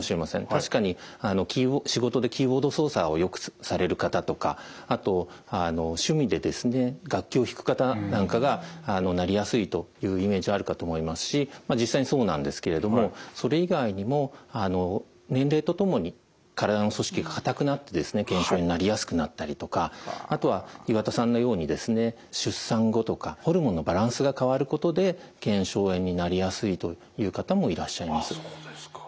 確かに仕事でキーボード操作をよくされる方とかあと趣味で楽器を弾く方なんかがなりやすいというイメージあるかと思いますし実際にそうなんですけれどもそれ以外にも年齢とともに体の組織が硬くなって腱鞘炎になりやすくなったりとかあとは岩田さんのように出産後とかホルモンのバランスが変わることで腱鞘炎になりやすいという方もいらっしゃいます。